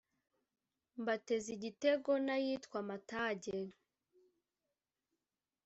Mbatez’ Igitego n’iyitwa Amatage